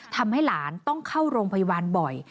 ทำให้หลานต้องเข้าโรงพยาบาลบ่อย